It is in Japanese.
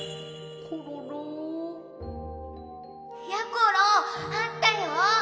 ころあったよ。